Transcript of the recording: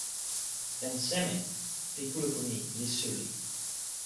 jan seme pi kulupu ni li suli?